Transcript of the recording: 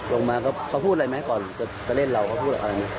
ลงมาเขาพูดอะไรไหมก่อนก็เล่นเราก็พูดอะไร